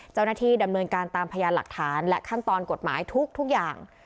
เจ้าหน้าที่ดำเนินการตามพยานหลักฐานและขั้นตอนกฎหมายทุกอย่าง